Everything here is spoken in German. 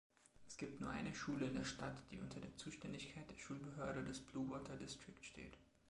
Es gibt nur eine Schule in der Stadt, die unter der Zuständigkeit der Schulbehörde des Bluewater District steht.